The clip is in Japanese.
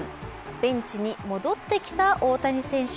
ベンチに戻ってきた大谷選手。